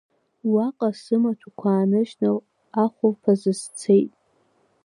Уаҟа сымаҭәақәа ааныжьны ахәылԥазы сцеит.